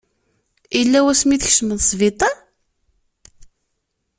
Yella wasmi i tkecmeḍ sbiṭar?